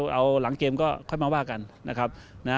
เอาหลังเกมก็ค่อยมาว่ากันนะครับ